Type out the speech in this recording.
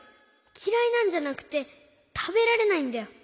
きらいなんじゃなくてたべられないんだよ。